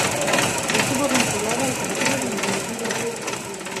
Estuvo vinculado al Partido Democrático.